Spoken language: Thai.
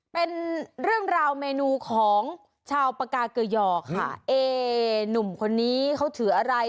เป็นเรื่องราวเมนูของชาวปากาเกยอค่ะเอ๊หนุ่มคนนี้เขาถืออะไร